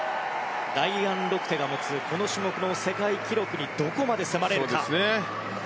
ライアン・ロクテが持つこの種目の世界記録にどこまで迫れるか。